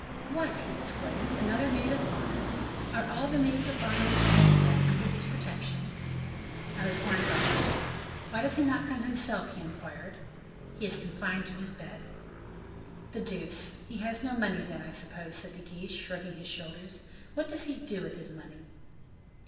"What!" he exclaimed, "another maid of honor? Are all the maids of honor in France, then, under his protection?" Malicorne bowed. "Why does he not come himself?" he inquired. "He is confined to his bed." "The deuce! he has no money then, I suppose," said De Guiche, shrugging his shoulders. "What does he do with his money?"